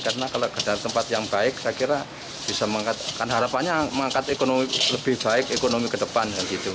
karena kalau keadaan tempat yang baik saya kira bisa mengangkat kan harapannya mengangkat ekonomi lebih baik ekonomi ke depan